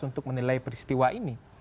untuk menilai peristiwa ini